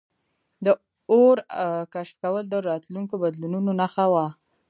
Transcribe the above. د اور کشف کول د راتلونکو بدلونونو نښه وه.